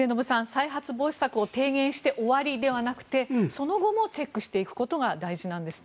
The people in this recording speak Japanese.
再発防止策を提言して終わりではなくてその後もチェックしていくことが大事なんですね。